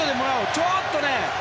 ちょっと。